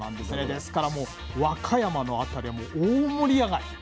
ですからもう和歌山の辺りはもう大盛り上がり。